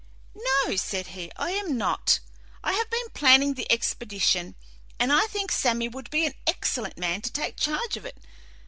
"No," said he, "I am not. I have been planning the expedition, and I think Sammy would be an excellent man to take charge of it.